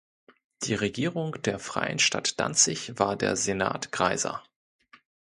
Die Regierung der Freien Stadt Danzig war der Senat Greiser.